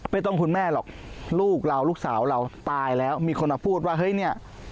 คุณแม่หรอกลูกเราลูกสาวเราตายแล้วมีคนมาพูดว่าเฮ้ยเนี่ย